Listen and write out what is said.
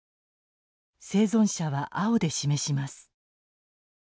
生存者は青で示します。